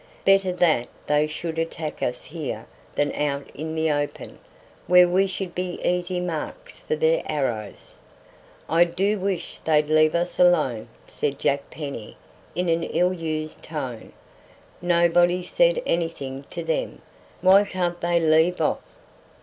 Better that they should attack us here than out in the open, where we should be easy marks for their arrows." "I do wish they'd leave us alone," said Jack Penny in an ill used tone. "Nobody said anything to them; why can't they leave off?"